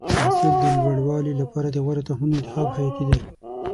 د حاصل د لوړوالي لپاره د غوره تخمونو انتخاب حیاتي دی.